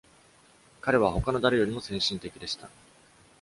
彼は、他の誰よりも先進的でした。